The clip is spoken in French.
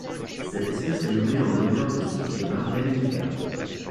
Cette espèce est nommée en l'honneur de Sylvia Marlene Lucas.